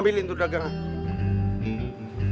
ambilin tuh dagangan